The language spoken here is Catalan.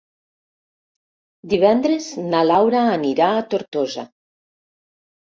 Divendres na Laura anirà a Tortosa.